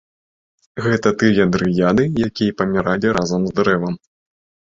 Гэта тыя дрыяды, якія паміралі разам з дрэвам.